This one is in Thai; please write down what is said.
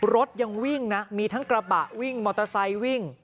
รถยังวิ่งนะมีทั้งกระบะวิ่งมอเตอร์ไซค์วิ่ง